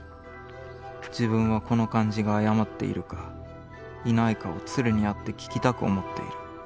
自分はこの感じがあやまっているか、いないかを鶴にって聞きたく思っている。